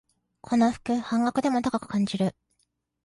この服、半額でも高く感じる